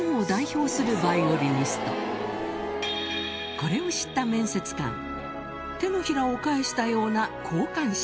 これを知った面接官手のひらを返したような好感触